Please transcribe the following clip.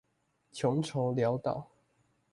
窮愁潦倒